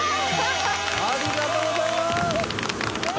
ありがとうございます！